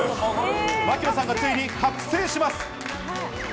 槙野さんがついに覚醒します！